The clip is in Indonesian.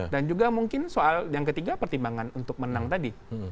dan juga mungkin soal yang ketiga pertimbangan untuk menang tadi